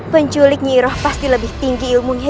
penculik nyi iroh pasti lebih tinggi ilmunya